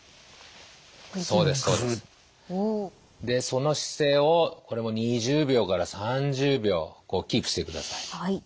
でその姿勢をこれも２０秒から３０秒キープしてください。